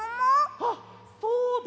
あっそうだ！